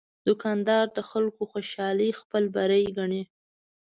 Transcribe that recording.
دوکاندار د خلکو خوشالي خپل بری ګڼي.